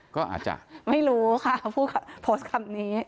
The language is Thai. ก็อาจจะไม่รู้ค่ะโพสต์คำนี้